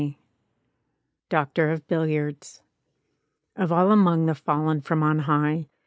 |88| DOCTOR OF BILLIARDS Of all among the fallen from on high.